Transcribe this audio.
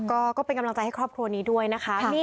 ก็เป็นกำลังใจให้ครอบครัวนี้ด้วยนะคะ